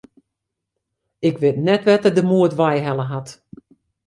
Ik wit net wêr't er de moed wei helle hat.